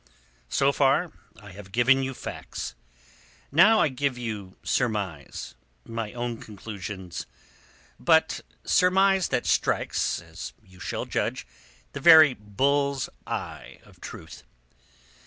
"So far I have given you facts. Now I give you surmise—my own conclusions—but surmise that strikes, as you shall judge, the very bull's eye of truth.